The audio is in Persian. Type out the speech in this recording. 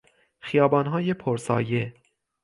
خیابانهای پر سایه